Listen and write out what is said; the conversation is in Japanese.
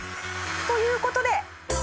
という事で。